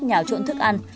nhào trộn thức ăn